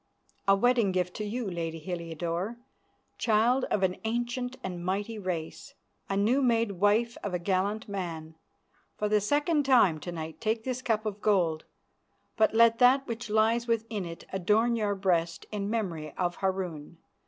"A wedding gift to you, Lady Heliodore, child of an ancient and mighty race, and new made wife of a gallant man. For the second time to night take this cup of gold, but let that which lies within it adorn your breast in memory of Harun.